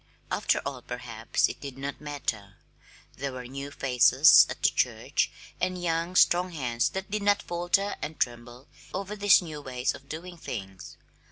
After all, perhaps it did not matter; there were new faces at the church, and young, strong hands that did not falter and tremble over these new ways of doing things.